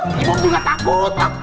ibu juga takut